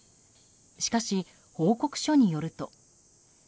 しかし、報告書によると。